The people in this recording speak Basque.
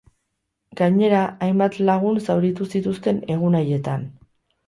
Gainera, hainbat lagun zauritu zituzten egun haietan.